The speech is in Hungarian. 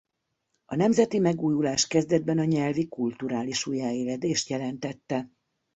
A nemzeti megújulás kezdetben a nyelvi-kulturális újjáéledést jelentette.